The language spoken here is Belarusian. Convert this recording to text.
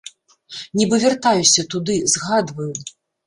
Нібы вяртаюся туды, згадваю.